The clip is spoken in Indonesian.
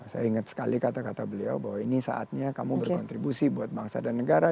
saya ingat sekali kata kata beliau bahwa ini saatnya kamu berkontribusi buat bangsa dan negara